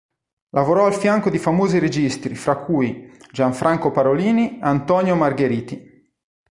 Lavorò al fianco di famosi registi fra cui Gianfranco Parolini e Antonio Margheriti.